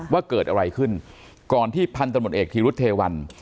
ว่าเกิดอะไรขึ้นก่อนที่พันธมตเอกธีรุธเทวัน